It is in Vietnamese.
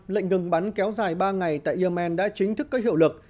lệnh ngừng bắn kéo dài ba ngày tại yemen đã chính thức có hiệu lực